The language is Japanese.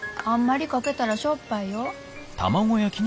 あんまりかけたらしょっぱいよ。